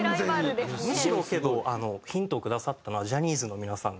むしろけどヒントをくださったのはジャニーズの皆さん。